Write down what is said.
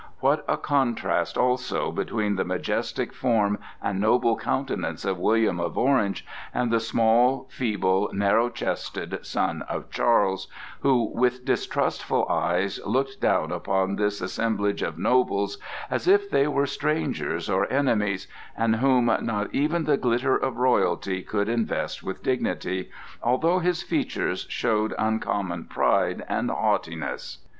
What a contrast also between the majestic form and noble countenance of William of Orange and the small, feeble, narrow chested son of Charles, who with distrustful eyes looked down upon this assemblage of nobles as if they were strangers or enemies, and whom not even the glitter of royalty could invest with dignity, although his features showed uncommon pride and haughtiness!